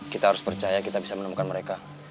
kita harus percaya kita bisa menemukan mereka